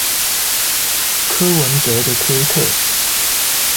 柯文哲的推特